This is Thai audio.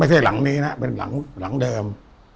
ไม่ใช่หลังนี้นะครับเป็นหลังเดิม